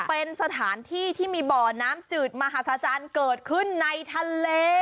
เป็นสถานที่ที่มีบ่อน้ำจืดมหาศจรรย์เกิดขึ้นในทะเล